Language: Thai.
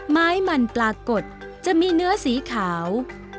ไม้มันปลากดจะมีเนื้อสีขาว